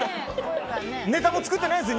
ネタも作ってないです